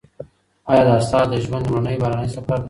ایا دا ستا د ژوند لومړنی بهرنی سفر دی؟